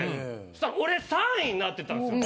したら俺３位になってたんですよ。